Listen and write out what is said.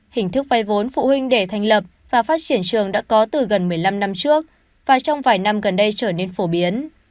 hình thức vay vốn phụ huynh để thành lập và phát triển trường đã có từ gần một mươi năm năm trước và trong vài năm gần đây trở nên phổ biến